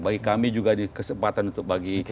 bagi kami juga ini kesempatan untuk bagi